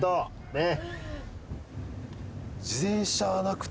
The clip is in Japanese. ねっ。